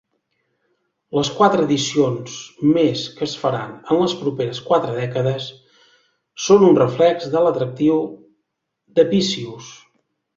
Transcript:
Les quatre edicions més que es faran en les properes quatre dècades són un reflex de l'atractiu d'"Apicius".